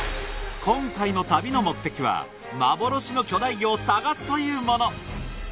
今回の旅の目的は幻の巨大魚を探すというもの。